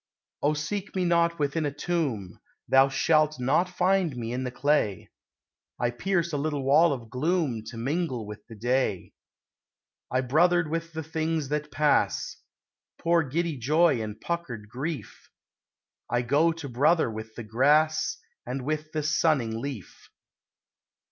Oh seek me not within a tomb; Thou shalt not find me in the clay! I pierce a little wall of gloom To mingle with the Day! I brothered with the things that pass, Poor giddy Joy and puckered Grief; I go to brother with the Grass And with the sunning Leaf.